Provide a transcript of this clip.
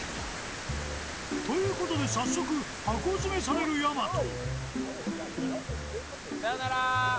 ［ということで早速箱詰めされるやまと］